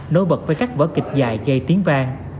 nối bật với các vở kịch dài gây tiếng vang